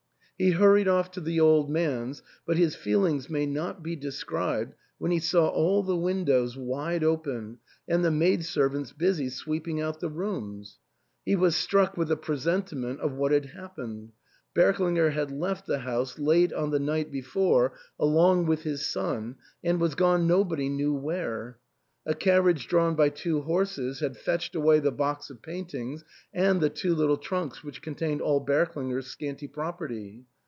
He hurried off to the old man's, but his feelings may not be described when he saw all the windows wide open and the maid servants busy sweeping out the rooms. He was struck with a pre sentiment of what had happened. Berklinger had left the house late on the night before along with his son, and was gone nobody knew where. A carriage drawn by two horses had fetched away the box of paintings and the two little trunks which contained all Berk Jinger's scanty property.